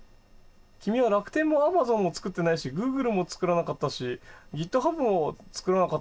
「君は楽天もアマゾンも作ってないしグーグルも作らなかったしギットハブも作らなかったのは何で？」